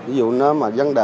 ví dụ nếu mà vấn đề